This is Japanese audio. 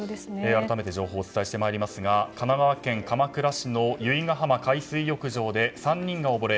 改めて情報をお伝えしてまいりますが神奈川県鎌倉市の由比ガ浜海水浴場で３人が溺れ